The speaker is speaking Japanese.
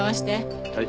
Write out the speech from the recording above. はい。